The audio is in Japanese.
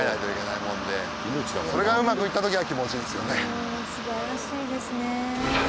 うん素晴らしいですね。